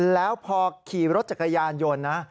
แล้วพอขี่รถจักรยานยนต์นะ